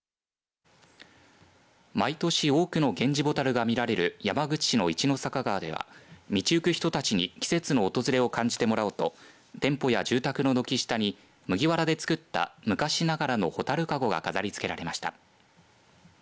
毎年多くのゲンジホタルが見られる山口市の一の坂川では道行く人たちに季節の訪れを感じてもらおうと店舗や住宅の軒下に麦わらで作った昔ながらの蛍かごが飾りつけられました。